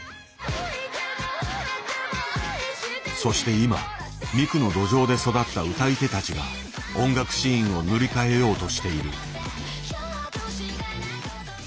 そして今ミクの土壌で育った歌い手たちが音楽シーンを塗り替えようとしている。